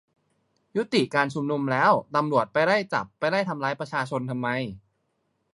ยุติการชุมนุมแล้ว ตำรวจไปไล่จับ ไปไล่ตามทำร้ายประชาชนทำไม ?